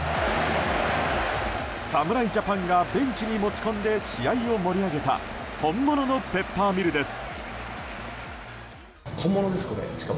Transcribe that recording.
侍ジャパンがベンチに持ち込んで試合を盛り上げた本物のペッパーミルです。